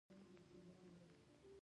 د چاردرې دښته يې ورته ويله.